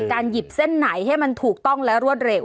หยิบเส้นไหนให้มันถูกต้องและรวดเร็ว